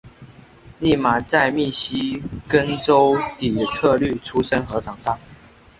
俪玛在密西根州底特律出生和长大。